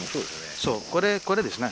そうこれですね。